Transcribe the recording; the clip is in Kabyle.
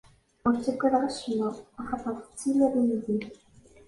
Ur ttaggadeɣ acemma, axaṭer tettiliḍ yid-i.